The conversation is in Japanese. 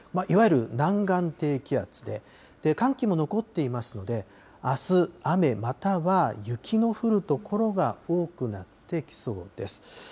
いわゆる南岸低気圧で、寒気も残っていますので、あす、雨または雪の降る所が多くなってきそうです。